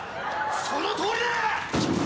そのとおりだ！